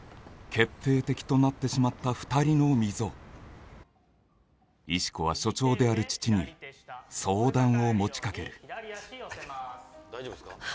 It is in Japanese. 決定的となってしまった２人の溝石子は所長である父に相談を持ちかけるアイタッ大丈夫っすか？